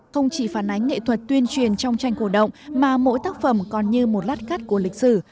không chỉ phản ánh nghệ thuật tuyên truyền trong tranh cổ động mà mỗi tác phẩm còn như một lát cắt của lịch sử